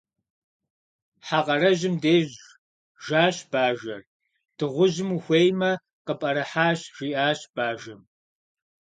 Хьэ къарэжьым деж жащ бажэр. - Дыгъужьым ухуеймэ, къыпӏэрыхьащ, - жиӏащ бажэм.